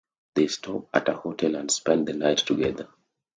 They stop at a hotel and spent the night together.